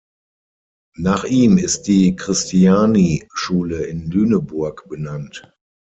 Nach ihm ist die Christiani-Schule in Lüneburg benannt.